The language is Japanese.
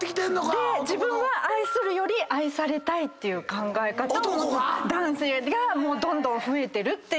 で自分が愛するより愛されたいって考え方の男性がどんどん増えてるっていう。